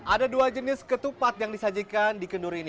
ada dua jenis ketupat yang disajikan di kendur ini